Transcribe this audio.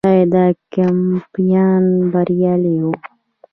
آیا دا کمپاین بریالی و؟